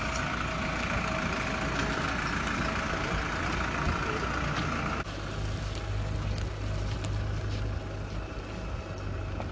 สุดท้ายสุดท้ายสุดท้าย